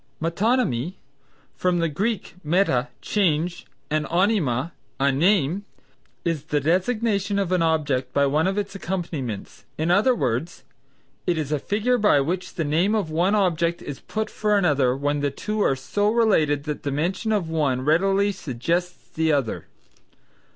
Metonymy (from the Greek meta, change, and onyma, a name) is the designation of an object by one of its accompaniments, in other words, it is a figure by which the name of one object is put for another when the two are so related that the mention of one readily suggests the other.